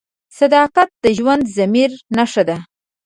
صداقت د ژوندي ضمیر نښه ده.